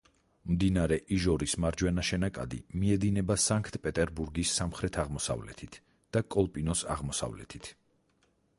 მდინარე იჟორის მარჯვენა შენაკადი, მიედინება სანქტ-პეტერბურგის სამხრეთ-აღმოსავლეთით და კოლპინოს აღმოსავლეთით.